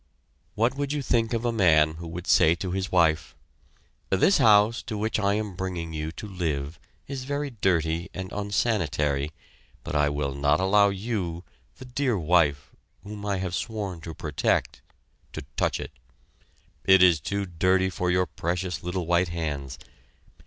What would you think of a man who would say to his wife: "This house to which I am bringing you to live is very dirty and unsanitary, but I will not allow you the dear wife whom I have sworn to protect to touch it. It is too dirty for your precious little white hands!